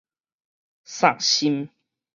煞心